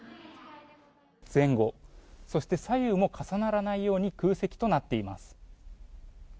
前後、そして左右も重ならないように空席となっています。